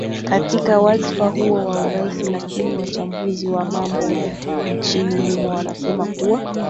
katika wadhifa huo wa urais lakini wachambuzi wa mambo nchini humo wanasema kuwa